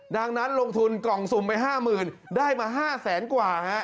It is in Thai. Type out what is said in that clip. ดังนั้นลงทุนกล่องสุ่มไปห้าหมื่นได้มาห้าแสนกว่า